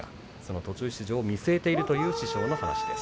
途中出場を見据えているという師匠の話です。